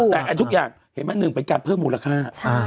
แต่ทุกอย่างเห็นไหมหนึ่งเป็นการเพิ่มมูลค่า